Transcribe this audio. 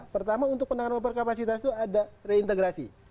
pertama untuk penanggung perkapasitas itu ada reintegrasi